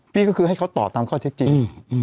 พี่ก็คือให้เขาตอบตามข้อเท็จจริง